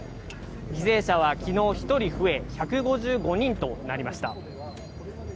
犠牲者は昨日１人増え、１５５人となりました。